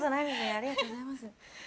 ありがとうございます。